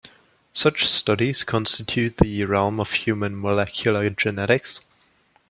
Such studies constitute the realm of human molecular genetics.